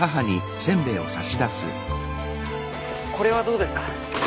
これはどうですか？